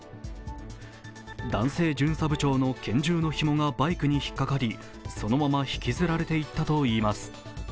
男性巡査部長の拳銃のひもがバイクに引っ掛かりそのまま引きずられていったということです。